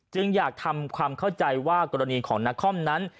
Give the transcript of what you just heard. จึงอยากทำความเข้าใจว่ากรณีของนครนั้น